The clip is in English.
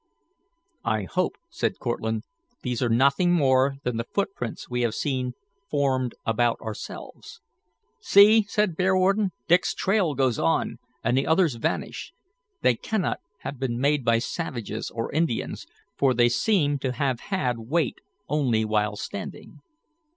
"I hope," said Cortlandt, "these are nothing more than the footprints we have seen formed about ourselves." "See," said Bearwarden, "Dick's trail goes on, and the others vanish. They cannot have been made by savages or Indians, for they seem to have had weight only while standing."